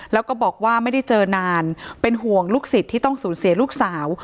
แล้วก็บอกว่าไม่ได้เจอนานเป็นห่วงลูกศิษย์ที่ต้องสูญเสียลูกสาว